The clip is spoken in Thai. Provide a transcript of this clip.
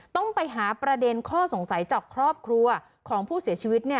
ต้องไปหาประเด็นข้อสงสัยจากครอบครัวของผู้เสียชีวิต